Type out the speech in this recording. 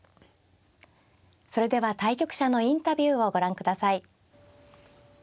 それでは対局者のインタビューをご覧ください。